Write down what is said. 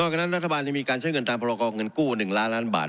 นอกจากนั้นรัฐบาลยังมีการใช้เงินตามประกอบเงินกู้๑ล้านล้านบาท